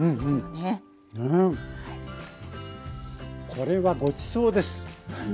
これはごちそうです。